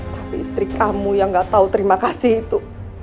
tapi istri kamu yang gak tahu terima kasih itu